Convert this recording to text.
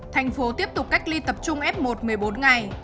thành phố tiếp tục cách ly tập trung f một một mươi bốn ngày